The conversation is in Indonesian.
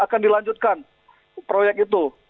akan dilanjutkan proyek itu